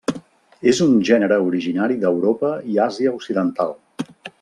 És un gènere originari d'Europa i Àsia occidental.